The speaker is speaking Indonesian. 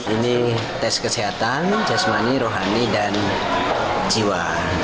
ini tes kesehatan jasmani rohani dan jiwa